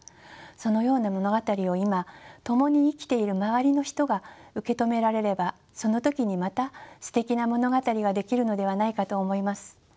そのような物語を今共に生きている周りの人が受け止められればその時にまたすてきな物語が出来るのではないかと思います。